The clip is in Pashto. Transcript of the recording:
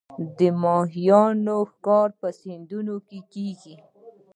د ماهیانو ښکار په سیندونو کې کیږي